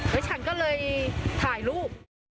ไว้ชั้นก็เลยถ่ายรูป